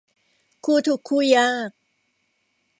คู่ทุกข์คู่ยาก